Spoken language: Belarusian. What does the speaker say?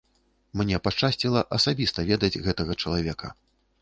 Мне пашчасціла асабіста ведаць гэтага чалавека.